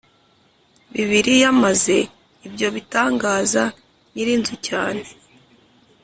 Bibiliya maze ibyo bitangaza nyir inzu cyane